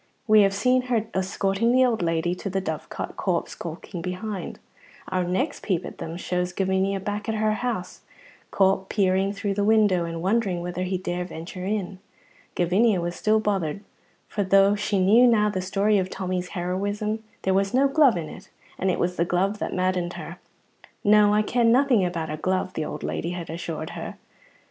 We have seen her escorting the old lady to the Dovecot, Corp skulking behind. Our next peep at them shows Gavinia back at her house, Corp peering through the window and wondering whether he dare venture in. Gavinia was still bothered, for though she knew now the story of Tommy's heroism, there was no glove in it, and it was the glove that maddened her. "No, I ken nothing about a glove," the old lady had assured her.